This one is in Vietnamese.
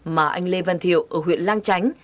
mà anh lê văn thiệu ở huyện lang chánh